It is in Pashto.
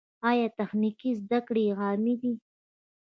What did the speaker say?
آیا تخنیکي زده کړې عامې دي؟